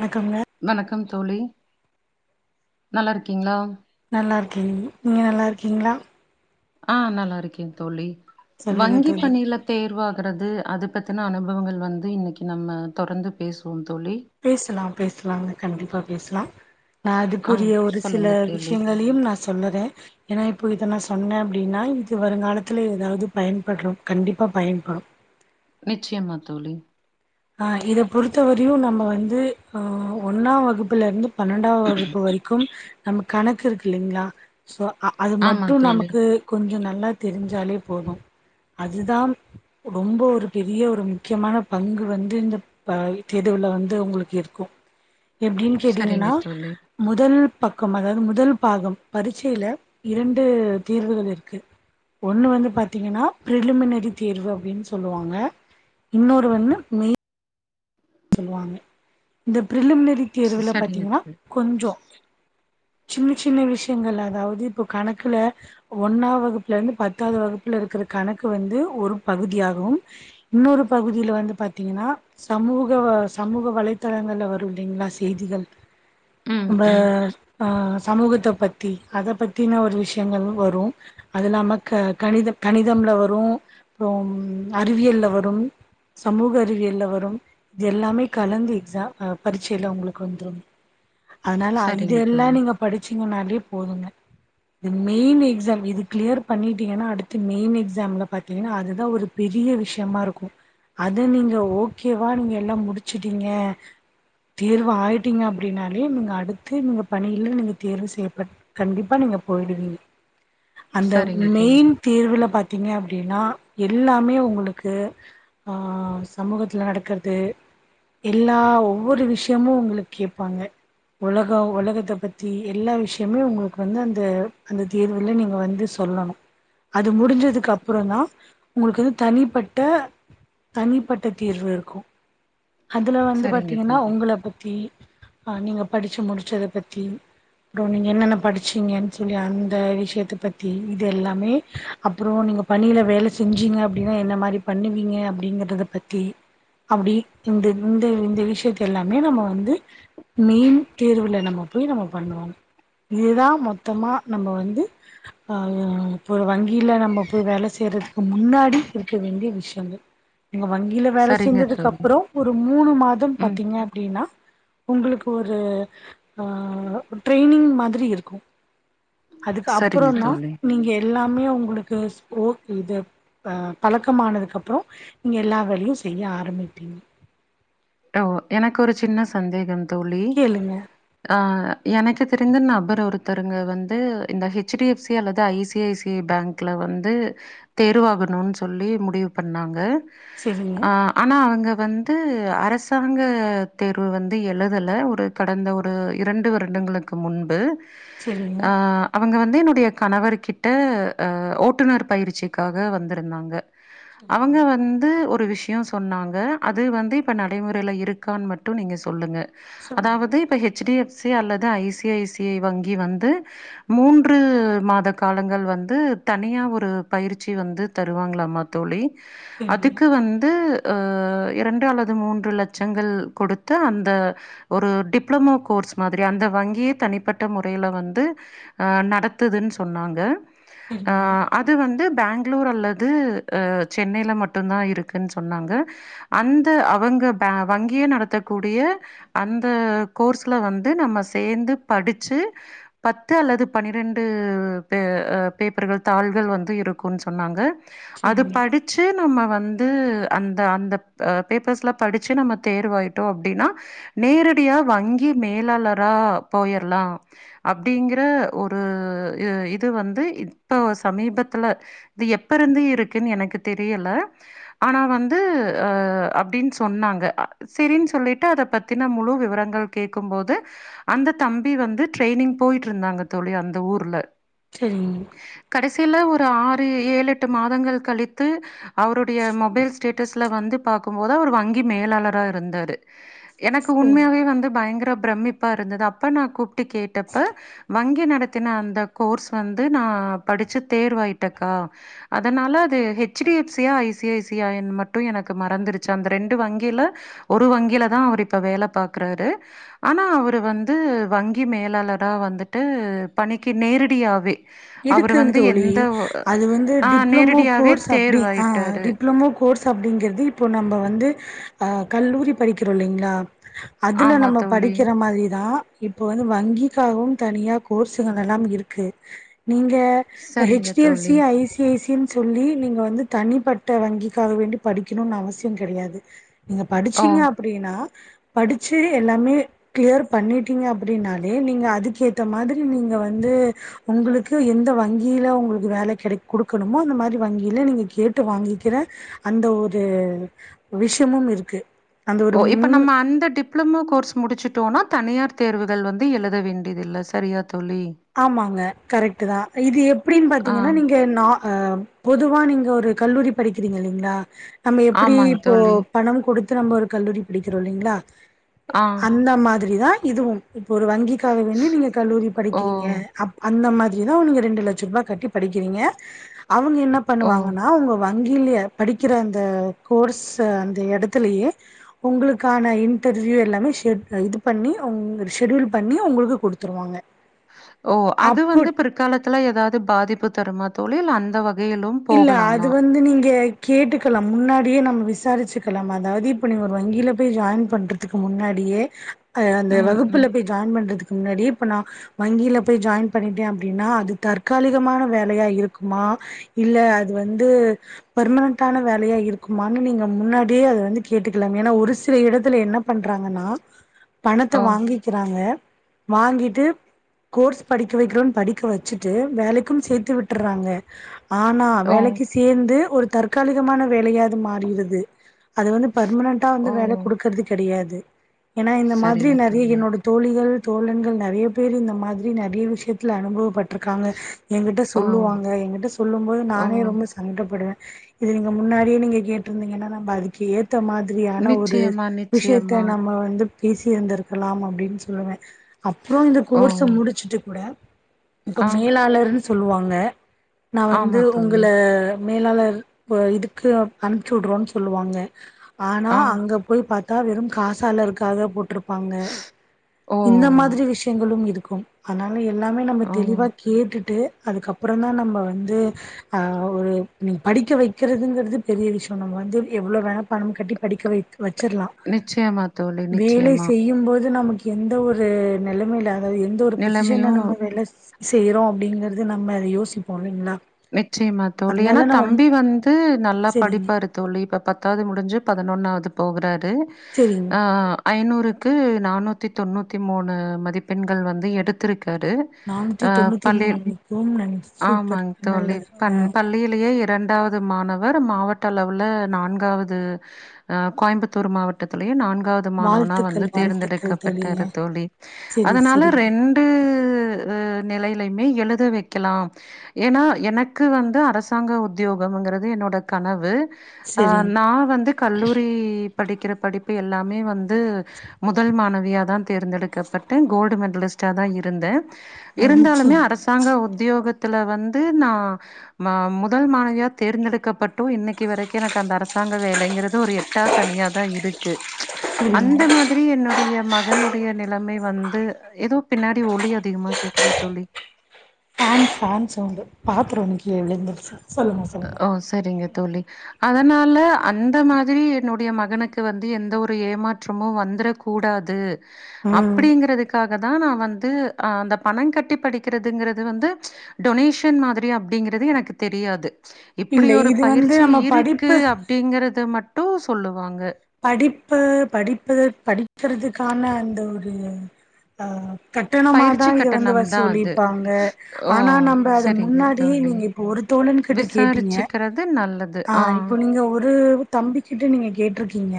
வணக்கங்க வணக்கம் தோழி நல்லா இருக்கீங்களா நல்லா இருக்கேன் நீங்க நல்லா இருக்கீங்களா ஆஹ் நல்லா இருக்கேன் தோழி சொல்லுங்க வங்கி தோழி பணியில தேர்வா கடது அது பத்தின அனுபவங்கள் வந்து இன்னைக்கு நம்ம தொடர்ந்து பேசுவோம் தோழி பேசலாம் பேசலாம் கண்டிப்பா பேசலாம் நான் ஆ அதுக்குரிய ஒரு சில சொல்லுங்க தோழி விஷயங்களையும் நான் சொல்லறேன் ஏன்னா இப்ப இதன சொன்னேன் அப்படின்னா இன்னிக்கு வருங்காலத்துல ஏதாவது பயன்படுறும் கண்டிப்பா பயன்படும் நிச்சயமா தோழி அஹ் இதை பொறுத்தவரையும் நம்ம வந்து ஆஹ் ஒன்னாம் வகுப்புல இருந்து பன்னெண்டா வகுப்பு வரைக்கும் நம்ம கணக்கு இருக்கு இல்லைங்களா சோ அ அது ஆமா மட்டும் தோழி நமக்கு கொஞ்சம் ந உண்ம தெரிஞ்சாலே போதும் அதுதான் ரொம்ப ஒரு பெரிய ஒரு முக்கியமான பங் கு வந்து இந்த தேதுவுல வந்து உங்களுக்கு இருக்கும் எப்படின்னு சரிங்க கேட்டீங்கன்னா தோழி முதல் பக்கம் அதாவது முதல் பாகம் பரீட்சையில் இரண்டு தீர்வுகள் இருக்கு ஒன்னு வந்து பாத்தீங்கன்னா பிரிலிமினரி தீர்வு அப்படின்னு சொல்லுவாங்க இன்னொரு வந்து நீ சொல்லுவாங்க இந்த பிர்லிமினரி ச- தீர்வுல சரிங்க பாத்தீங்கன்னா தோழி கொஞ்சோம் சின்ன சின்ன விஷயங்கள் அதாவது இப்போ கணக்குல ஒன்னா வகுப்புல இருந்து பத்தாவது வகுப்புல இருக்கிற கணக்கு வந்து ஒரு பகுதியாகும் இன்னொரு பகுதியில வந்து பாத்தீங்கன்னா சமூக சமூக வலைதளங்கள்ல வரும் இல்லைங்களா செய்திகள் ம் நம்ம ம் ஆஹ் சமூகத்தை பத்தி அதை பத்தின ஒரு விஷயங்கள் வரும் அது இல்லாம க கணித கணிதம்ல வரும்றோ அறிவியல்ல வரும் சமூக அறிவியல் வரும் இது எல்லாமே கலந்து எக்ஸாம் ஹ பரீட்சையில உங்களுக்கு வந்துரும் அதனால இது சரிங்க எல்லா தோழி நீங்க படிச்சு ங்னாலே போதுங்க இது மெய்ன் எக்ஸாம் இது கிளர் பண்ணிட்டீங்கன்ன அடுத்து மெய்ன் எக்ஸாம்ல பாத்தீங்கன்னா அதுதான் ஒரு பெரிய விஷயமா இருக்கும் அத நீங்க ஓக்கேவா நீங்க எல்லாம் முடிச்சிட்டீங்க தேர்வு ஆயிட்டீங்க அப்டினாலே நீங்க அடுத்து நீங்க பணில நீங்க தேர்வு செய்யபட் கண்டிப்பா நீங்க போயிடுவீங்க அந்த சரிங்க மெயின் தோழி தேர்வுல பாத்தீங்க அப் அப்டின்னா எல்லாமே உங்களுக்கு ஆஹ் சமூகத்துல நடக்கறது எல்லா ஒவ்வொரு விஷயமும் உங்களுக்கு கேப்பாங்க உலகோ உலகத்தை பத்தி எல்லா விஷயமே உங்களுக்கு வந்து அந்த அந்த தேர்வுல நீங்க வந்து சொல்லணும் அது முடிஞ்சதுக்கு அப்புறோ தான் உங்களுக்கு வந்து தனிப்பட்ட தனிப்பட்ட தேர்வு இருக்கும் அதுல வந்து சரிங்க பாத்தீங்கன்னா தோழி உங்கள பத்தி ஆஹ் நீங்க படிச்சு முடிச்சத பத்தி அப்புறம் நீங்க என்னென்ன படிச்சீங்கன்னு சொல்லி அந்த விஷயத்த பத்தி இது எல்லாமே அப்றோ நீங்க பணியில வேலை செஞ்சீங்க அப்டின்னா என்ன மாரி பண்ணுவீங்க அப்டிங்கறத பத்தி அப்டி இந்த இந்த இந்த விஷயத்த எல்லாமே நம்ம வந்து மெயின் தேர்வுல நம்ம போய் நம்ம பண்ணுவோம் இதுதான் மொத்தமா நம்ம வந்து ஆஹ் இப்ப வங்கியில நம்ம போய் வேலை செய்யறதுக்கு முன்னாடி இருக்க வேண்டிய விஷயங்கள் நீங்க வங்கியில வேலை சரிங்க செஞ்சதுக்கு தோழி அப்பறோம் மூணு மாதம் ம் பாத்தீங்க அப்டின் னா உங்களுக்கு ஒரு ஆஹ் ட்ரைனிங் மாதிரி இருக்கும் அதுக்கு அப்றோ சரிங்க தான் தோழி நீங்க எல்லாமே உங்களுக்கு ஸ்போக் இது அஹ் பழக்கமானதுக்கு அப்புறம் நீங்க எல்லா வேலையும் செய்ய ஆரம்மிப்பீங்க ஓ எனக்கு ஒரு சின்ன சந்தேகம் தோழி கேளுங்க ஆஹ் எனக்கு தெரிஞ்ச நபர் ஒருத்தருங்க வந்து இந்த ஹெச் டி எஃப் சி அல்லது I C I C I பேங்குல வந்து தேர்வாகணும்ன்னு சொல்லி முடிவு பண்ணாங்க செரிங்க ஆஹ் ஆனா அவ்ங்க வந்து அரஸ் சாங்க தேர்வு வந்து எழுதல ஒரு கடந்த ஒரு இரண்டு வருடங்களுக்கு முன்பு செரிங்க ஆஹ் அவங்க வந் து என்னுடைய கணவர் கிட்ட ஆஹ் ஓட்டுநர் பயிற்சிக்காக வந்திருந்தாங்க செரிங்க அவங்க வந்து ஒ ரு விஷ்யம் சொன்னாங்க அது வந்து இப்ப ந டைமுறைல இருக்கான் மட்டும் நீங்க சொல்லுங்க சொல்லுங்க அதாவது இப்ப ஹெச் டி எஃப் சி அல்லது I C I C I வங்கி வந்து மூன்று மாத காலங்கள் வந்து தனியா ஒரு பயிற்சி வந்து தருவாங்ளாமா தோழி செரிங்க அதுக்கு வந்து ஆஹ் இரண்டு அல்லது மூன் று லச்சங்கள் குடுத்து அந்த ஒரு டிப்ளமோ கோர்ஸ் மாதிரி அந்த வங்கியே தனிப்பட்ட முறைல வந்து ஆஹ் நடத்துதுன் சொன்னாங்க செரிங்க ஆஹ் அது வந்து பேங்ளூர் அல்லது ஆஹ் சென்னையில மட்டுந்தான் இருக்குன் சொன்னாங்க அந்த அவங்க பே வங்கியே நடத்தக்கூடிய அந்த கோர்ஸ்ல வந்து நம்ம சேந்து படிச்சு பத்து அல்லது பன்னிரெண்டு பே ஆஹ் பேப்பர்கள் தாள்கள் வந்து இருக்குன் சொன்னாங்க அது செரிங்க படிச்சு நம்ம வ ந்து அந்த அந்த ப் பேப்பர்ஸ்லா படிச்சி நம்ம தேர்வாயிட்டோம் அப்டின்னா நேரடியா வங்கி மேலாளரா போயிற்லா அப்டிங்ற ஒரு அஹ் இது வந்து இப்போ சமீபத்துல இது எப்ப இருந்து இருக்குன் எனக்கு தெரியெல ஆனா வந்து ஆஹ் அப்டின் சொன்னாங்க ஆ செரின்னு சொல்லிட்டு அத பத்தின முழு விவரங்கள் கேக்கும் போது அந்த தம்பி வந்து ட்ரெய்னிங் போயிற்றிந்தாங்க தோழி அந்த ஊர்ல செரிங்க கடைசில ஒ ரு ஆறு ஏழு எட்டு மாதங்கள் கழித்து அவருடைய மொபைல் ஸ்டேட்டெஸ்ல வந்து பாக்கும்போது அவர் வங் தி மேலாளரா இருந்தாரு எனக்கு ஓ உண்மேயாவே வந்து பயங்கரப் பிரமிப்பா இருந்தது அப்ப நா கூப்ட்டு கேட்டப்ப வங்கி நடத்தின அந்த கோர்ஸ் வந்து நா படிச்சி தேர்வாயிட்டக்கா அதனால அது ஹெச் டி எஃப் சி யா I C I C I யா என் மட்டும் எனக்கு மறந்திர்ச்சி அந்த ரெண்ட் டு வங்கில ஒரு வங்கியில தான் அவரு இப்ப வேல பாக்றாரு ஆனா அவரு வந்து வங்கி மேலாளரா வந்துட்டு பணிக்கு நேரடியாவே அவரு எதுக்குங் வந்து தோழி எந்த ஒ அது வந்து ஆ டிப்ளமோ நேரடியாவே கோர்ஸ் அப்டி ஆஹ் தேர்வாயிட்டாரு. டிப்ளமோ கோர்ஸ் அப்டிங்கிறது இப்போ நம்ப வந்து ஆஹ் கல்லூரி படிக்கிறோ இல்லிங்ளா அதுல ஆமா நம்மோ தோழி. படிக்கிற மாரிதான் இப்போ வந்து வங்கிக்காகவும் தனியா கோர்ஸுகளெல்லாம் இருக்கு நீங்க சரிங்க ஹெச் டி எஃப் தோழி. C I C I C ன் சொல்லி நீங்க வந்து தனிப்பட்ட வங்கிக்காக வேண்டி படிக்கிணுன் அவசியம் கெடியாது நீங்க ஓ! படிச்சீங்க அப்டின்னா படிச்சு எல்லாமே கிளியர் பண்ணிட்டீங்க அப்டின்னாலே நீங்க அதுக்கு ஏத்த மாதிரி நீங்க வந்து உங்குளுக் கு எந்த வங்கியில உங்குளுக் வேல கிடைக் குடுக்கணுமோ அந்த மாரி வங்கிலெ நீங்க கேட்டு வாங்கிக்கிற அந்த ஒரு விஷ்யமும் இருக்கு அந்த ஒரு ஓ முன் இப்ப நம்ம அந்த டிப்ளமோ கோர்ஸ் முடிச்சிட் தோனா தனியார் தேர்வுகள் வந்து எழுத வேண்டியதில்ல சரியா தோழி? ஆமாங்க கரெக்ட் தா. இது எப்டின்னு ஆ. பாத்தீங்ன்னா நீங்க நார் பொதுவா நீங்க ஒரு கல்லூரி படிக்கிறீங்க இல்லீங்களா நம்ம எப்டி ஆமாங்க இப்போ தோழி. பணம் குடுத் திரும்ப ஒரு கல்லூரி படிக்கிறோ இல்லீங்ளா ஆ. அந்த மாதிரி தா இதுவு இப்போ ஒரு வங்கி காலைலன்னு நீங்க கல்லூரி படிக் ஓ! அப் அந்த மாதிரி தா நீங்க ரெண்டு லட்ச ரூபா கட்டி படிக்கறீங்க அவங்க என்ன ஓ! பண்ணுவாங்ன்னா ஒங்க வங்கியிலய படிக்கிற அந்த கோர்ஸ் அந்த எடத்துலயே உங்களுக்கான இன்டர்வியூ எல்லாமே ஷெட் இது பண்ணி ஷெட்யூல் பண்ணி ஒங்களுக்கு குடுத்துருவாங்க. ஓ அது அப்போ வந்து பிற்காலத்துல ஏதாவது பாதிப்பு தருமா தோழி இல்ல அந்த வகுப் இல்ல அது வந்து நீங்க கேட்டுக்கலாம் முன்னாடியே நம்ம விசாரிச்சுக்கலாம் அதாவது இப்ப நீங்க ஒரு வங்கியில போய் ஜாயின் பண்றதுக்கு முன்னாடியே அத அந்த ம், வகுப்புல ம். போய் ஜாயின் பண்றதுக்கு முன்னாடி இப்ப நா வங்கில போய் ஜாயின் பண்ணிட்டே அப்டின்னா அது தற்காலிகமான வேலையா இருக்குமா இல்ல அது வந்து பர்மனென்ட்டான வேலையா இருக்குமான்னு நீங்க முன்னாடியே அத வந்து கேட்டுக்கலாம். ஏன்னா ஒரு சில இடத்துல என்ன பண்றாங்ன்னா பணத்தை ஓ! வாங்கிக்கிறாங்க வாங்கிட்டு கோர்ஸ் படிக்க வக்கிறோன் படிக்க வச்சிட்டு வேலைக்கும் சேத்து விட்டுற்றாங்க ஆனா ஓ! வேலைக்கு சேந்து ஒரு தற்காலிகமான வேலையா அது மாறீறிது அது வந்து பர்மனன்டா வந்து வேலை ஓ! குடுக்குறது கெடயாது ஏன்னா இந்த மாதிரி சரிங்க நெறைய தோழி என்னோட தோழிகள் தோழன்கள் நெறைய பேர் இந்த மாதிரி நெறைய விசயத்தில அனுபவப்பட்டு பட்ருக்காங்க ஏங்கிட்ட ஓ சொல்லுவாங்க. ஏங்கிட்ட சொல்லும்போது ஓ நானே ரொம்ப சங்க படுவேன் இது நீங்க முன்னாடியே நீங்க கேட்டிருந்தீங்ன்னா நம்ம அதுக்கு ஏத் கேத்த மாதிரியான ஒரு நிச்சயமா விசயத்த நிச்சயமா நம்ம வந்து பேசி இருந்திருக்கலாம் அப்டின்னு சொல்லுவே அப்றொம் இந்த ஓ கோர்ஸ்ஸ முடிச்சிட்டு கூட இப்ப ஆ மேலாளர் சொல்லுவாங்க நா வந்து ஆமா தோழி உங்கள மேலாளர் இதுக்கு அனுப்ச்சிடுறோம்ன்னு சொல்லுவாங்க ஆனா ஆ அங்க போய் பாத் வெறும் காசால இருக்காக போட்டுரு ப்பாங்க ஓ இந்த மாதிரி விஷயங்களும் இரு க்கும் ஆனால் எல்லாமே நம்ம ஓ தெளிவா கேட்டுட்டு அதுக்கப்புறம் தான் நம்ம வந்து ஒரு நீ படிக்க வைக்கிறதுங்கிறது பெரிய விஷயம் நம்ம வந்து எவ்ளோ வேணா பணம் கட்டி படிக்க வை வச்சிர்லாம் நிச்சயமா தோழி வேலை நிச்சயமா செய்யும் போது நமக்கு எந்த ஒரு நிலைமை ல அது எந்த ஒரு பொசிஷன்ல நிலைமையு நம்ம வேல செய்யறோம் அப்படிங்கறது நம்ம அதை யோசிப்போம் இல்லைங்கள நிச்சயமா தோழி ஆனா தம்பி வந்து நல்லா செரிங்க படிப்பாரு தோழி இப்ப பத்தாவது முடிஞ்சு பதினொன்னாவது போகறாரு செரிங்க ஐநூறுக்கு கு நானூத்தி தொண்ணூத்தி மூணு மதிப்பெண்கள் வந்து எடுத்திருக்கு நானூத்தி தொண்ணூத்தி மூணு அப்படி போவும்ன்னு நெனச்ச சூப்பர் ஆமாங் தோழி நல்லது ப ஆ பள்ளியிலேயே இரண்டாவது மாணவர் மாவட்ட அளவுல நான்காவது கோயம்புத்தூர் மாவட்டத்திலேயே நான்கு காவது மாணவனா வந்து வாழ்த்துக்கள் வாழ்த்துக்கள் தோழி தேர்ந்தெடுக்கப்பட்டாரு தோழி செரி அதனால செரிங்க ரெண்டு நிலை மே எழுத வைக்கலாம் ஏன்னா எனக்கு வந்து அரசாங்க உத்தியோகம்ங்கிறது என்னோட கனவு அஹ் செரிங்க நா வந்து கல்லூரி படிக்கிற படிப்பு எல்லாமே வந்து முதல் மாணவியா தா தேர்ந்தெடுக்கப்பட்டே கோல்டு மெடலிஸ்ட்டா தா இருந்தே மகிழ்ச்சி இருந்தாலுமே அரசாங்க உத்தியோகத் துல வந் து நா ம முதல் மாணவியா தர்ந்தெடுக்கப்பட்டு இன்னைக் கு வரைக்கு எனக்கு அந்த அரசாங்க வேலைங்கிறது ஒரு எட்டா கனியா தா இருக்கு செரிங்க அந்த மாதிரி என்னுடைய ம மகனுடைய நிலைமை வந்து ஏதோ பின்னாடி ஒலி அதிகமா கேக்குது தோழி அது ஃபேன் சவுண்டு பாத்தர ஒன்னு கீழ விழுந்துருச்சு சொல்லுங்க சொல்லுங்க ஓ சரிங்க தோழி அதனால அந்த மாதிரி என்னுடைய மகனுக்கு வந்து எந்த ஒரு ஏமாற்றமு வந்துற கூடாது ம் அப்படிங்கிறதுக்காக தா நா வந்து அந்த பணங் கட்டி படிக்கிறதுங்கிறது வந்து டொனேஷன் மாதிரி அப்படிங்கிறது எனக்கு தெரியாது இப்படி இல்ல ஒரு இது வந்து பயிற்சி நம்ம இருக்கு படிப்பு அப்படிங்கிறது மட் டூ சொல்லுவாங்க படிப்பு படிப் பு படிக்கறதுக்கான அந்த ஒரு அஹ் கட்டணமாதா பயிற்சி இத வந்து கட்டணம் தான் அது. வசூலிப்பாங்க ஓ! ஆனா நம்ம அத சரிங்க முன்னாடியே தோழி. நீங்க இப்ப ஒரு தோழன் கிட்ட கேட்டீங்க விசாரிச்சுக்கிறது நல்லது. ஆ, ஆஹ் இப்போ நீங்க ஒரு தம்பி கிட்ட நீங்க கேட்ருக்கீங்க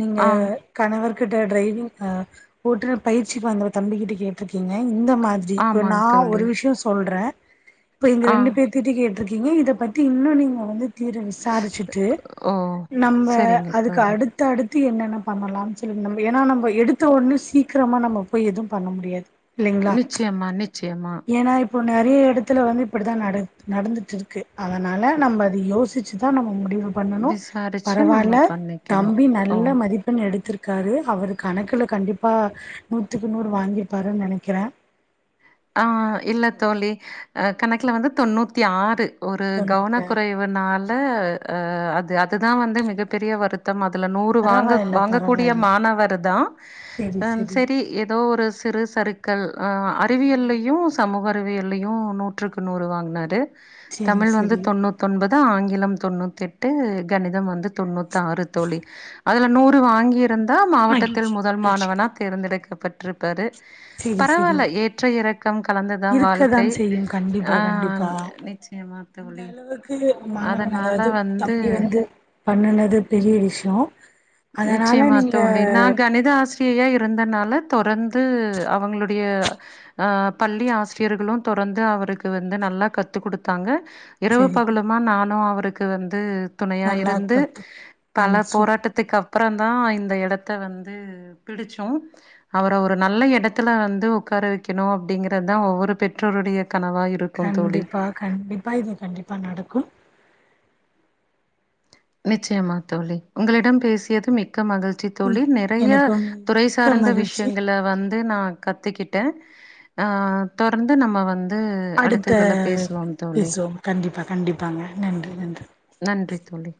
நீங்க ஆ, கணவர் கிட்ட டிரைவிங் அஹ் ஓட்டுனர் பயிற்சிக்கு வந்த தம்பிக்கிட்ட கேட்ருக்கீங்க இந்த மாதிரி இப்போ ஆமாங்க நா தோழி. ஒரு விஷய சொல்ற இப்போ இங்க ஆ, ரெண்டு பேர்த்துகிட்டயு கேட்டுருக்க கீங்க இத பத்தி இன்னு நீங்க வந்து தீர விசாரிச்சுட்டு ஓ! நம்ம சரிங்க அதுக்கு தோழி. அடுத்தடுத்து த்தி என்னென்ன பண்ணலான் சொல்லுங் ந ஏன்னா நம்ம எடுத்த உடனே சீக்கிரமா நம்ம போய் எதும் பண்ண முடியாது இல்லைங்களா நிச்சயமா நிச்சயமா ஏன்னா இப்போ நெறய எடத்துல வந்து இப்படித்தான் நட நடந்துட்டு இருக்கு அதனால நம்ம அது யோ சிச்சுதா முடிவு பண்ணணும் விசாரிச்சு பரவால்ல நம்ம பண்ணிக்கணும். தம்பி ஓ! நல்ல மதிப்பெண் எடுத்துரு திருக்காரு அவரு கணக்கல கண்டிப்பா நூத்துக்கு நூறு வாங்கிருப்பாருன்னு நெனக்கிறேன் ஆஹ் இல்ல தோழி அஹ் கணக்கல வந்து தொண்ணூத்தி ஆறு ஒரு சொன்னிருக்காரு கவனக்குறைவுனால அது அதுதான் வந்து மிகப்பெரிய வருத்தம் இதுல நூறு வாங்க பரவாயில்ல வாங்கக்கூடிய பரவாயில்ல மாணவர் தான் செரி ஏதோ ஒரு சிறு சறுக்கள் அஹ் அறிவியல்லையும் சமூக அறிவியல்லையும் நூற்றுக்கு நூறு வாங்கினாரு செரி தமிழ் வந்து செரி தொண்ணூத்து ஒன்பது ந்து ஆங்கிலம் தொண்ணூத்தி எட்டு கணிதம் வந்து தொண்ணூத்தி ஆறு தோழி அதுல நூறு வாங்கி இருந்தா மாவட்டத்தில் மகிழ்ச்சி முதல் மாணவனா தேர்ந்தெடுக்க பற்றுருப்பாறு செரி செரி பரவாயில்ல ஏ ஏற்று இரக்கம் கலந்துதான் வாழ்க்கை இருக்கதான் செய்யும் கண்டிப்பா ஆஹ் கண்டிப்பா நிச்சயமா இந்த தோழி அளவுக்கு மாணவன் அதனால அதாவது வந்து தம்பி வந்து பண்ணுனது பெரிய விஷயோ அதனால நிச்சயமா தோழி நீங்க நான் கணித ஆசிரியையா இருந்தனால னால தொடர்ந்து அவங்களுடைய பள்ளி ஆசிரியர்களும் தொடந்து அவருக்கு வந்து நல்லா கத்து கொடுத்தாங்க இரவு சரிங்க பகலமா நானும் அவருக் க்கு வந்து துணையா நல்லா இருந்து கொத்து பல கண் சு போராட்டத்துக்கு அப் அப்புற தான் இந்த இடத்த வந்து பிடிச்சோம் அவரை ஒரு நல்ல இடத்துல வந்து உட்கார வைக்கணும் அப்படிங்கிறதுதான் ஒவ்வொரு பெற்றோருடைய கனவா இருக்கும் தோழி. கண்டிப்பா கண்டிப்பா இது கண்டிப்பா நடக்கும் நிச்சயமா தோழி உங்களிடம் பேசியது மிக்க மிக்க மகிழ்ச்சி ம் தோழி நெறைய எனக்கும் துறை மிக்க சார்ந்த மகிழ்ச்சி விஷயங்கள வந்து வந்து நான் கத்துக்கிட்டேன் ஆ தொடர்ந்து நம்ம வந்து அடுத்த இதுல பேசுவோம் தோழி. பேசுவோம் கண்டிப்பா கண்டிப்பாங்க நன்றி நன்றி நன்றி தோழி.